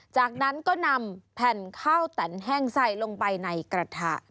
จากนั้นก็นำแผ่นข้าวแต่นแห้งใส่ลงไปในกระทะ